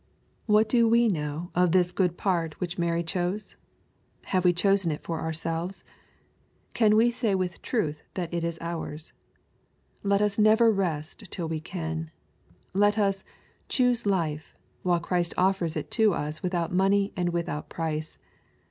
What do we know of this " good part " which Mar^ LUKB^ CHAP. X. 389 chose ? Have we chosen it for ourselves ? Can we say with truth that it is ours ? Let us never rest till we can. Let us "choose life/' while Christ offers it to us with out money and without price.